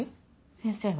先生は？